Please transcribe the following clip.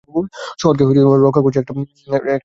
শহরকে রক্ষা করছে একটা কুকুর?